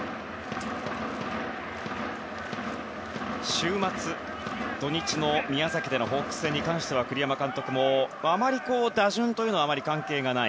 週末、土日での宮崎でのホークス戦に関しては栗山監督も打順というのはあまり関係がない。